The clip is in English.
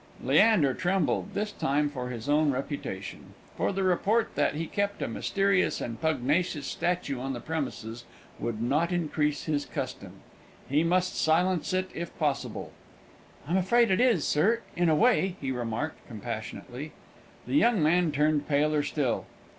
Leander trembled this time for his own reputation; for the report that he kept a mysterious and pugnacious statue on the premises would not increase his custom. He must silence it, if possible. "I'm afraid it is, sir in a way," he remarked, compassionately. The young man turned paler still.